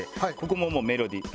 ここもメロディー。